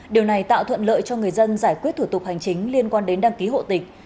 điều này tạo thuận lợi cho người dân giải quyết thủ tục hành chính liên quan đến đăng ký hộ tịch